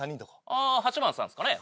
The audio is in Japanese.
あぁ８番さんですかね。